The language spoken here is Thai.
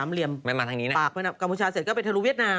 ๓เหลี่ยมปากเมนามกัมพูชาเสร็จก็ไปทะลุเวียตนาม